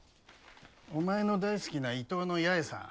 お前の大好きな伊東の八重さん。